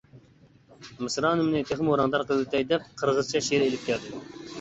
مىسرانىمنى تېخىمۇ رەڭدار قىلىۋېتەي دەپ قىرغىزچە شېئىر ئېلىپ كەلدىم.